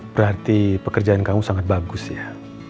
berarti pekerjaan kamu sangat bagus ya